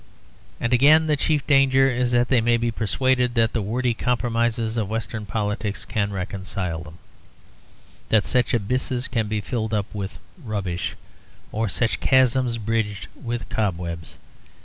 And again the chief danger is that they may be persuaded that the wordy compromises of Western politics can reconcile them; that such abysses can be filled up with rubbish, or such chasms bridged with cobwebs.